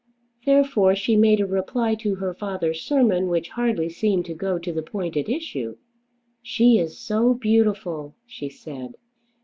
Therefore she made a reply to her father's sermon which hardly seemed to go to the point at issue. "She is so beautiful!" she said.